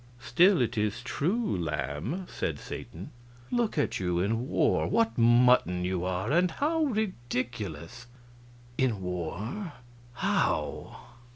"Still, it is true, lamb," said Satan. "Look at you in war what mutton you are, and how ridiculous!" "In war? How?"